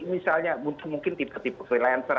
misalnya muncul mungkin tipe tipe freelancer